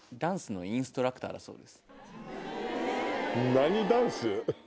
何ダンス？